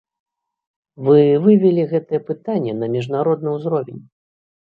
Вы вывелі гэтыя пытанні на міжнародны ўзровень.